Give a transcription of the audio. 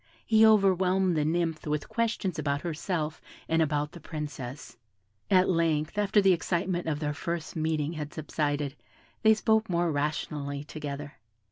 He overwhelmed the nymph with questions about herself and about the Princess. At length, after the excitement of their first meeting had subsided, they spoke more rationally together.